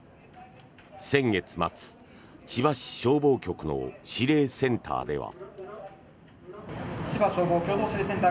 先月末、千葉市消防局の指令センターでは。